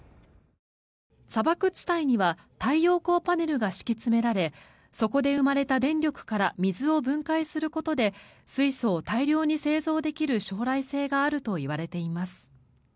砂漠地帯には太陽光パネルが敷き詰められそこで生まれた電力から水を分解することで水素を大量に製造できる将来性があるといわれています。